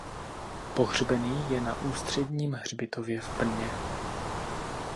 Pohřbený je na Ústředním hřbitově v Brně.